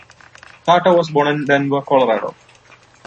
Carter was born in Denver, Colorado.